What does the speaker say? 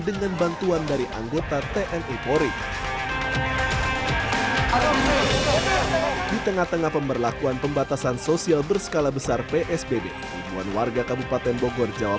dengan bantuan dari anggota tni pori